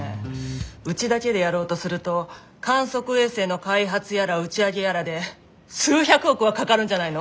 うちだけでやろうとすると観測衛星の開発やら打ち上げやらで数百億はかかるんじゃないの？